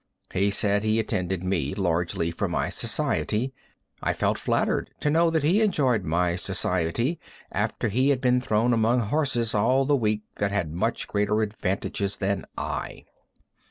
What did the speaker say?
He said he attended me largely for my society. I felt flattered to know that he enjoyed my society after he had been thrown among horses all the week that had much greater advantages than I.